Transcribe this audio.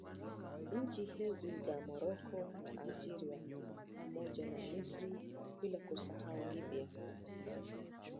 Nchi hizi za Morocco na Algeria pamoja na Misri bila kuisahau Libya